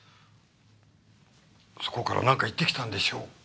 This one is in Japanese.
そこからなんか言ってきたんでしょうか？